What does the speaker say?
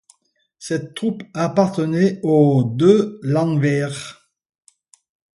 Cette troupe appartenait au de landwehr.